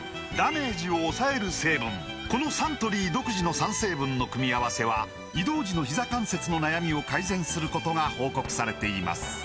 このサントリー独自の３成分の組み合わせは移動時のひざ関節の悩みを改善することが報告されています